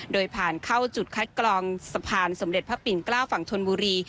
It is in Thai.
โดยผ่านเข้าจุดคัดกรองสะพานสมเด็จพระปิ่นเกล้าฝั่งธนบุรี